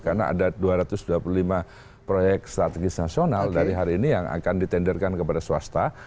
karena ada dua ratus dua puluh lima proyek strategis nasional dari hari ini yang akan ditenderkan kepada swasta